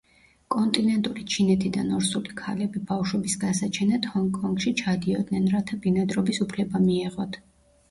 კონტინენტური ჩინეთიდან ორსული ქალები ბავშვების გასაჩენად ჰონგ-კონგში ჩადიოდნენ, რათა ბინადრობის უფლება მიეღოთ.